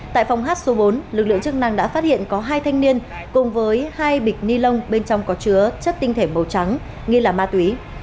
tại phòng hát số bốn lực lượng chức năng đã phát hiện có hai thanh niên cùng với hai bịch ni lông bên trong có chứa chất tinh thể màu trắng nghi là ma túy